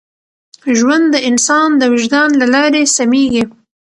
ژوند د انسان د وجدان له لارې سمېږي.